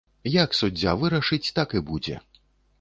Як суддзя вырашыць, так і будзе.